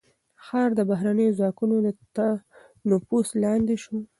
ښار د بهرنيو ځواکونو تر نفوذ لاندې شو.